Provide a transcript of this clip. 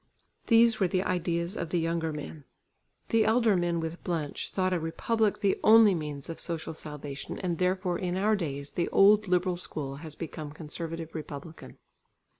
These were the ideas of the younger men. The elder men with Blanche thought a republic the only means of social salvation and therefore in our days the old liberal school has become conservative republican.